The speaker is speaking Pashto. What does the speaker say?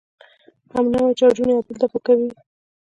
همنوع چارجونه یو بل دفع کوي.